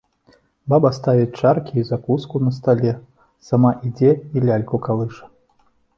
Баба ставіць чаркі і закуску на стале, сама ідзе і ляльку калыша.